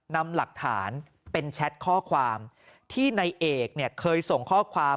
นำหลักฐานเป็นแชทข้อความที่ในเอกเนี่ยเคยส่งข้อความ